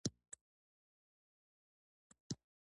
ای ای ته بيا ووی اوس ته بيا ووی.